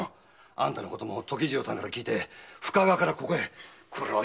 あんたのことも時次郎さんから聞いて深川からここへ。